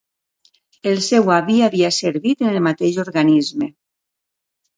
El seu avi havia servit en el mateix organisme.